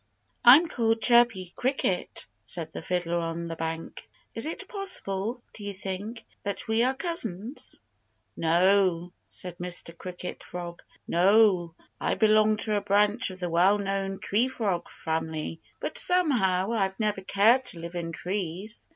"I'm called Chirpy Cricket," said the fiddler on the bank. "Is it possible do you think that we are cousins?" "No!" said Mr. Cricket Frog. "No! I belong to a branch of the well known Tree Frog family. But somehow I've never cared to live in trees.